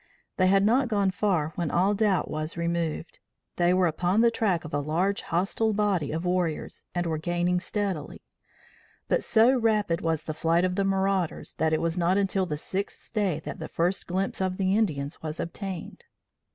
They had not gone far when all doubt was removed: they were upon the track of a large hostile body of warriors and were gaining steadily; but so rapid was the flight of the marauders that it was not until the sixth day that the first glimpse of the Indians was obtained.